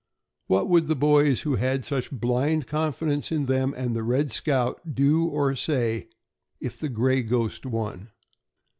What would the boys who had such blind confidence in them and the "Red Scout" do or say if the "Gray Ghost" won?